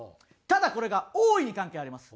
ただこれが大いに関係あります。